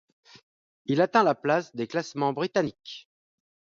Il atteint la place des classements britannique.